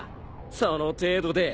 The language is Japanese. その程度で。